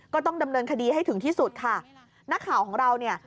ก็ต้องดำเนินคดีให้ถึงที่สุดค่ะนักข่าวของเราเนี่ย